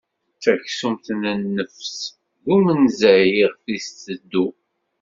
D taksumt d nnefs, d umenzay iɣef iteddu.